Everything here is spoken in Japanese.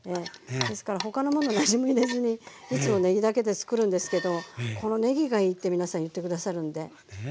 ですから他のもの何も入れずにいつもねぎだけでつくるんですけどこのねぎがいいって皆さん言って下さるんで。